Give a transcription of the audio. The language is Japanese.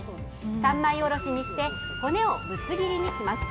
三枚おろしにして、骨をぶつ切りにします。